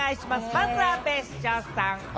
まずは別所さん。